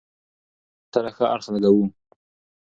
يو له بل سره ښه اړخ لګوو،